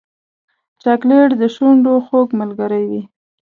چاکلېټ د شونډو خوږ ملګری وي.